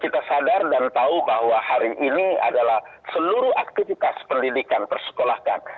kita sadar dan tahu bahwa hari ini adalah seluruh aktivitas pendidikan persekolahkan